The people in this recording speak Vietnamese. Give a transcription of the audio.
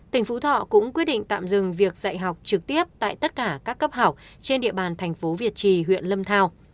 tỉnh phú thọ cũng quyết định tạm dừng việc dạy học trực tiếp tại tất cả các cấp học trên địa bàn thành phố việt trì huyện lâm thao